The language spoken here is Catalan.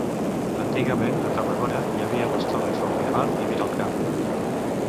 Antigament a Tarragona, hi havia les torres de Miralmar i Miralcamp.